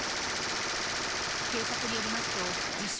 警察によりますと、自称